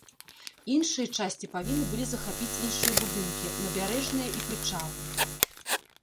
Іншыя часці павінны былі захапіць іншыя будынкі, набярэжныя і прычалы.